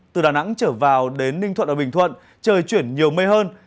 từ đà nẵng trở vào đến ninh thuận và bình thuận trời chuyển nhiều mây hơn